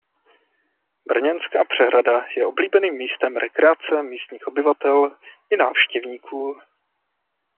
Brněnská přehrada je oblíbeným místem rekreace místních obyvatel i návštěvníků.